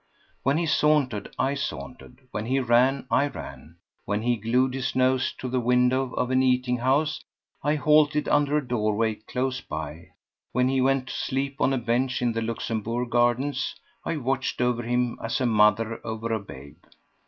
When he sauntered I sauntered; when he ran I ran; when he glued his nose to the window of an eating house I halted under a doorway close by; when he went to sleep on a bench in the Luxembourg Gardens I watched over him as a mother over a babe.